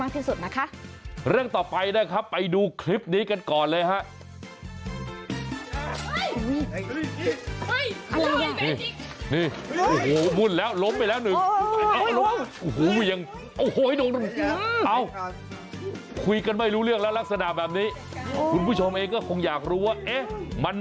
เพราะว่าเดี๋ยวเราใกล้จะเปิดประเทศแล้วไงต้องฉีดให้ได้เยอะมากที่สุดนะคะ